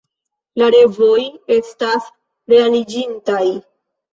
La revoj estas realiĝintaj.